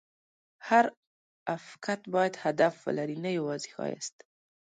هر افکت باید هدف ولري، نه یوازې ښایست.